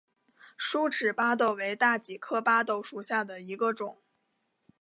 疏齿巴豆为大戟科巴豆属下的一个种。